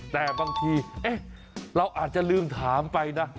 แต่บางทีเราอาจจะลืมถามไปนะ